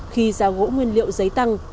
khi giá gỗ nguyên liệu giấy tăng